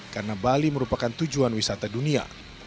karena bali merupakan tujuan wisata dunia